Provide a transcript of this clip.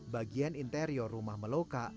bagian interior rumah meloka